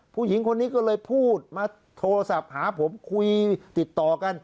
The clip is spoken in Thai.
ผู้หญิงคนนี้ก็เลยพูดมาโทรศัพท์หาผมคุยติดต่อกัน